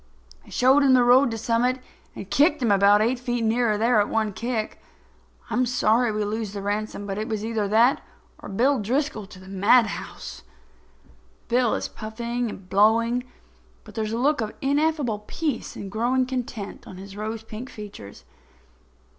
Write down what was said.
I showed him the road to Summit and kicked him about eight feet nearer there at one kick. I'm sorry we lose the ransom; but it was either that or Bill Driscoll to the madhouse." Bill is puffing and blowing, but there is a look of ineffable peace and growing content on his rose pink features.